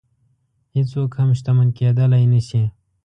هېڅوک هم شتمن کېدلی نه شي.